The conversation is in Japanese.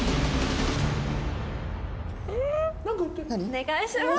お願いします！